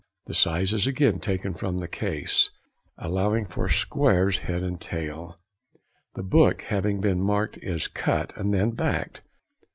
The size is again taken from the case, allowing for squares head and tail. The book having been marked is cut, and then backed.